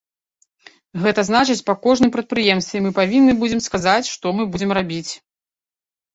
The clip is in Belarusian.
Гэта значыць па кожным прадпрыемстве мы павінны будзем сказаць, што мы будзем рабіць.